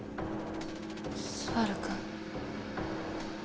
昴くん。